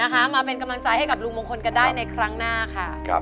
มาเป็นกำลังใจให้กับลุงมงคลกันได้ในครั้งหน้าค่ะ